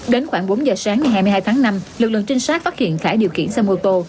đến khoảng bốn giờ sáng ngày hai mươi hai tháng năm lực lượng trinh sát phát hiện khải điều khiển xe mô tô